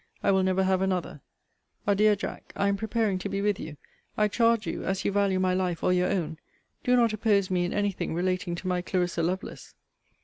I will never have another. Adieu, Jack, I am preparing to be with you. I charge you, as you value my life or your own, do not oppose me in any thing relating to my Clarissa Lovelace.